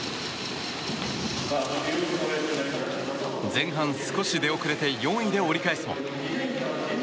前半、少し出遅れて４位で折り返すも。